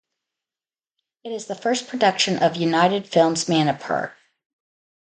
It is the first production of United Films Manipur.